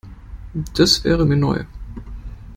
Das wäre mir neu.